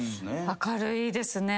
明るいですね